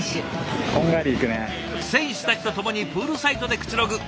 選手たちと共にプールサイドでくつろぐ